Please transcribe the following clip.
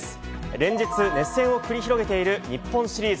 連日、熱戦を繰り広げている日本シリーズ。